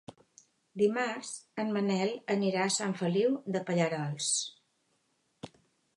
Dimarts en Manel anirà a Sant Feliu de Pallerols.